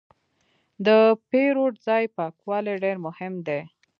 د پیرود ځای پاکوالی ډېر مهم دی.